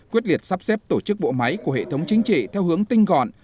quyết liệt sắp xếp tổ chức bộ máy của hệ thống chính trị theo hướng tinh gọn